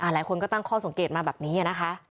หลายคนก็ตั้งข้อสมเกตมาแบบนี้